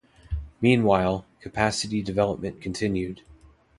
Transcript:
Meanwhile, capacity development continued.